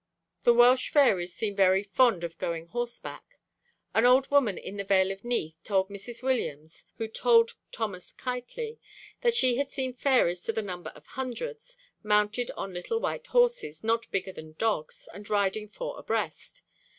The Welsh fairies seem very fond of going horseback. An old woman in the Vale of Neath told Mrs. Williams, who told Thomas Keightley, that she had seen fairies to the number of hundreds, mounted on little white horses, not bigger than dogs, and riding four abreast.